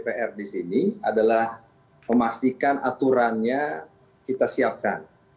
peran dpr di sini adalah memastikan aturannya kita siapkan